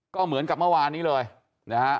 ก็เหมือนกับเมื่อวานนี้เลยนะฮะ